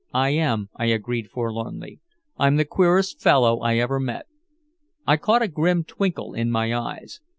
"I am," I agreed forlornly. "I'm the queerest fellow I ever met." I caught a grim twinkle in my eyes.